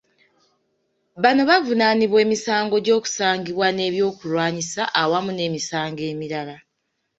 Bano bavunaanibwa emisango gy’okusangibwa n’ebyokulwanyisa awamu n’emisango emirala.